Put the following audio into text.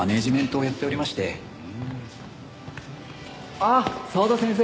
あっ澤田先生！